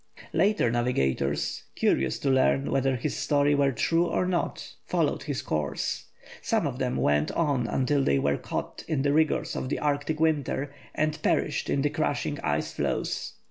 Later navigators, curious to learn whether his story were true or not, followed his course. Some of them went on until they were caught in the rigours of the Arctic winter and perished in the crashing ice floes.